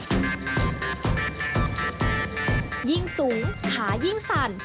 ยิ่งสูงขายิ่งสั่น